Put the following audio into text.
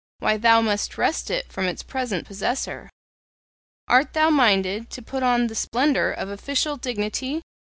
Why, thou must wrest it from its present possessor! Art thou minded to put on the splendour of official dignity?